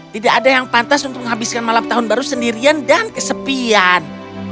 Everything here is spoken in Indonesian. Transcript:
tidak ada yang pantas untuk menghabiskan malam tahun baru sendirian dan kesepian